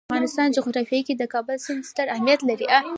د افغانستان جغرافیه کې د کابل سیند ستر اهمیت لري.